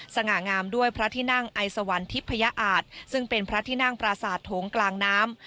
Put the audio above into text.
สง่างามด้วยพระที่นั่งไอสวรรคิพยาอาจซึ่งเป็นพระที่นั่งปราสาทโถงกลางน้ำ